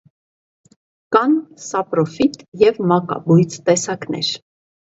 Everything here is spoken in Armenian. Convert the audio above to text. Կան սապրոֆիտ և մակաբույծ տեսակներ։